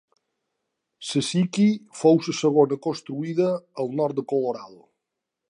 La séquia fou la segona construïda al nord de Colorado.